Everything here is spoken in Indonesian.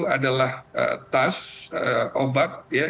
adalah tas obat ya